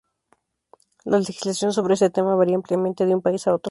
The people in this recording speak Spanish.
La legislación sobre este tema varía ampliamente de un país a otro.